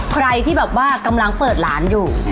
ใครที่แบบว่ากำลังเปิดร้านอยู่